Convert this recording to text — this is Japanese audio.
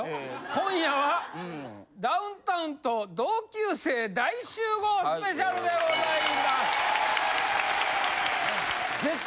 今夜はダウンタウンと同級生大集合ＳＰでございます。